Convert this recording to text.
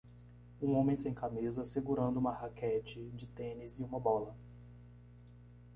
Um homem sem camisa, segurando uma raquete de tênis e uma bola.